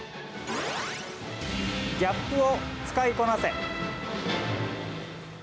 ギャップを使いこなせ！